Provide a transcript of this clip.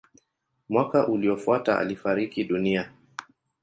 Mwaka uliofuata alifariki dunia.